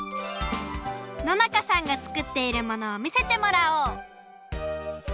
野仲さんが作っているものをみせてもらおう！